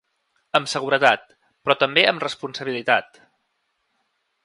Amb seguretat, però també amb responsabilitat.